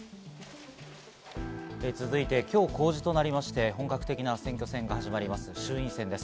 続いて今日、公示となりまして本格的な選挙戦が始まる衆院選です。